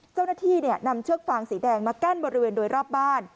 เจ้าหน้าที่นำเชือกฟางสีแดงมากั้นบริเวณโดยรอบบ้าน